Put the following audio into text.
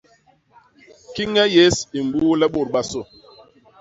Kiñe yés i mbuule bôt bobasô.